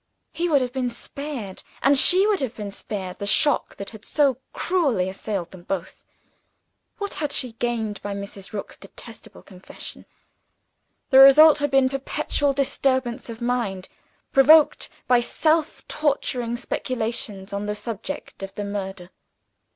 He would have been spared, and she would have been spared, the shock that had so cruelly assailed them both. What had she gained by Mrs. Rook's detestable confession? The result had been perpetual disturbance of mind provoked by self torturing speculations on the subject of the murder.